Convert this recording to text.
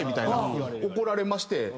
怒られまして。